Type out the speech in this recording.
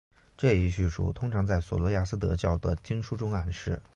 这一叙述通常在琐罗亚斯德教的经书中暗示。